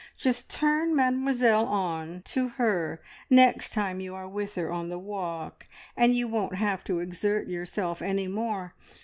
Just turn Mademoiselle on to her next time you are with her on the walk, and you won't have to exert yourself any more.